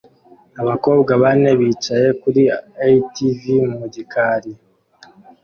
Abakobwa bane bicaye kuri ATV mu gikari